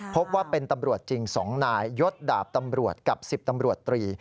พบว่าเป็นตำรวจจริง๒นายยดดาบตำรวจกับ๑๐ตำรวจตรี